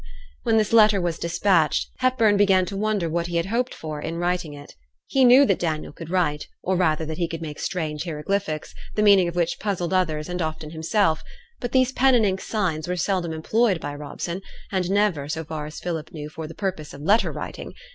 When this letter was despatched, Hepburn began to wonder what he had hoped for in writing it. He knew that Daniel could write or rather that he could make strange hieroglyphics, the meaning of which puzzled others and often himself; but these pen and ink signs were seldom employed by Robson, and never, so far as Philip knew, for the purpose of letter writing.